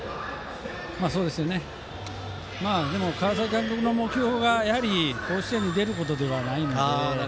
でも川崎監督の目標は甲子園に出ることではないので。